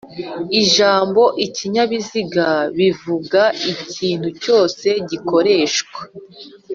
Ijambo "ikinyabiziga" bivuga ikintu cyose gikoreshwa